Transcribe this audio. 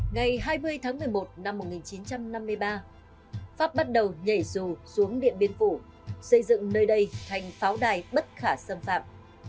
ngày hai mươi tháng một mươi một năm một nghìn chín trăm năm mươi ba pháp bắt đầu nhảy dù xuống điện biên phủ xây dựng nơi đây thành pháo đài bất khả xâm phạm